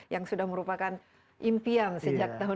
yang sudah merupakan impian sejak tahun dua ribu